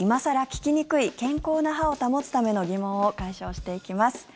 聞きにくい健康な歯を保つための疑問を解消していきます。